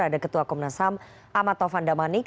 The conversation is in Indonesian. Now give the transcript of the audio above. ada ketua komnas ham amatov andamanik